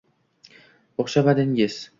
-O’xshamadingiz.